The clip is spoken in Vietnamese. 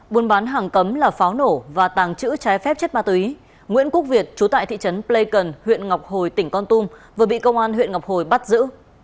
buôn bán hàng cấm là pháo nổ và tàng trữ trái phép chất ma túy nguyễn quốc việt chú tại thị trấn pleikon huyện ngọc hồi tỉnh con tum vừa bị công an huyện ngọc hồi bắt giữ